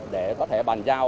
để có thể bàn giao